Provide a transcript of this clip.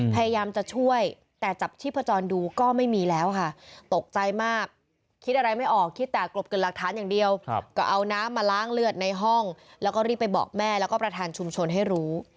พยายามจะช่วยแต่จับชีพจรดูก็ไม่มีแล้วค่ะตกใจมากคิดอะไรไม่ออกคิดแต่กลบเกิดหลักฐานอย่างเดียวก็เอาน้ำมาล้างเลือดในห้องแล้วก็รีบไปบอกแม่แล้วก็ประธานชุมชนให้รู้